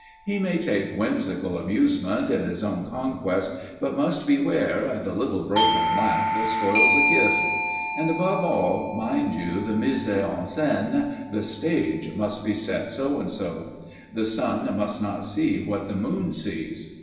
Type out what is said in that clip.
He may take whimsical amusement in his own conquest, but must beware "the little broken laugh that spoils a kiss." And above all, mind you the mise en scène, the stage must be set so and so; the sun must not see what the moon sees.